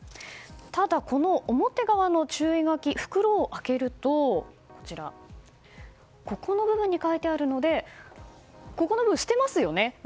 ただ、この表側の注意書き袋を開けると左上の部分に書いてあるのでこの上の部分、捨てますよね。